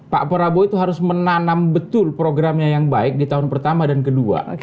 pak prabowo itu harus menanam betul programnya yang baik di tahun pertama dan kedua